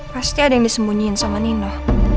pasti ada yang disembunyiin sama nino